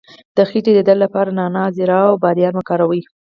د خیټې د درد لپاره نعناع، زیره او بادیان وکاروئ